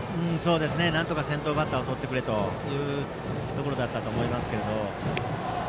なんとか先頭バッターをとってくれというところだったと思いますけども。